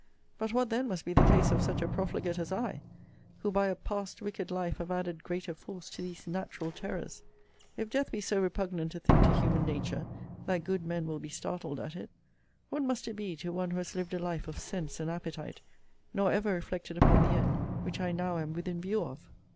But what then must be the case of such a profligate as I, who by a past wicked life have added greater force to these natural terrors? If death be so repugnant a thing to human nature, that good men will be startled at it, what must it be to one who has lived a life of sense and appetite; nor ever reflected upon the end which I now am within view of?